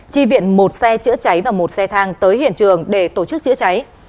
chi viện một xe chữa cháy và một xe thang tới hiện trường để tổ chức chữa cháy